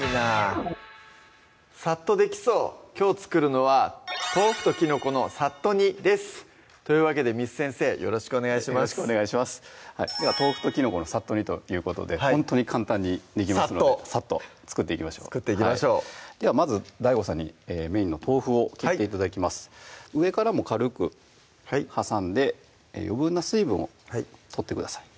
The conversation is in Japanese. さっとできそうきょう作るのは「豆腐ときのこのさっと煮」ですというわけで簾先生よろしくお願いしますでは「豆腐ときのこのさっと煮」ということでほんとに簡単にできますのでさっとさっと作っていきましょう作っていきましょうではまずＤＡＩＧＯさんにメインの豆腐を切って頂きます上からも軽く挟んで余分な水分を取ってください